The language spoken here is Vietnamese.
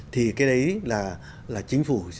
thì cái đấy là chính phủ